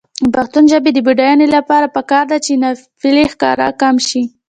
د پښتو ژبې د بډاینې لپاره پکار ده چې ناپییلي ښکار کم شي.